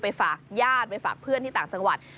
ฝากญาติไปฝากเพื่อนที่ต่างจังหวัด